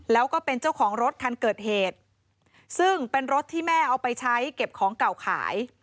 แล้วก็เป็นเจ้าของรถคันเกิดเหตุซึ่งเป็นรถที่แม่เอาไปใช้เก็บของเก่าขาย